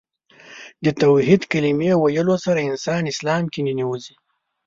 د توحید کلمې ویلو سره انسان اسلام کې ننوځي .